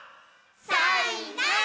さいなら！